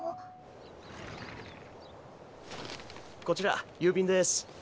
こちら郵便です。